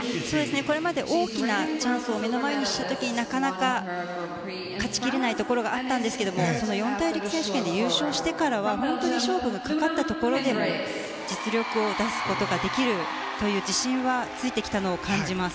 これまで大きなチャンスを目の前にした時になかなか勝ち切れないところがあったんですがその四大陸選手権で優勝してからは本当に勝負がかかったところでも実力を出すことができるという自信はついてきたのを感じます。